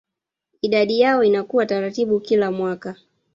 Idadi yao inakuwa taratibu kila mwaka